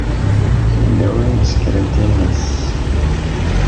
Yella win i isekren times.